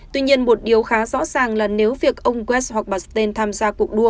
tuy nhiên một điều khá rõ ràng là nếu việc ông west hoặc bà stein tham gia cuộc đua